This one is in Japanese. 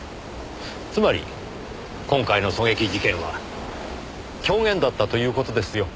つまり今回の狙撃事件は狂言だったという事ですよ。